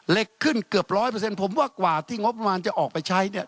เล็กขึ้นเกือบร้อยเปอร์เซ็นผมว่ากว่าที่งบประมาณจะออกไปใช้เนี่ย